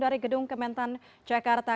dari gedung kementerian jakarta